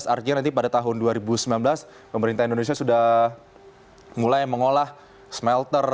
artinya nanti pada tahun dua ribu sembilan belas pemerintah indonesia sudah mulai mengolah smelter